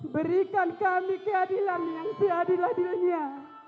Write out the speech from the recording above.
berikan kami keadilan yang seadil adilnya